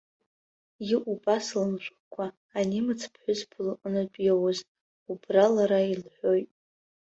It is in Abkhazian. Иҟоуп асалам шәҟәқәа анемец ԥҳәызба лҟынтәи иоуз, убра лара илҳәоит.